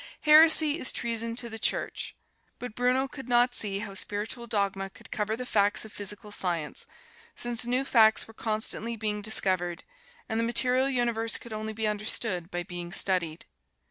Heresy is treason to the Church, but Bruno could not see how spiritual dogma could cover the facts of Physical Science, since new facts were constantly being discovered, and the material universe could only be understood by being studied.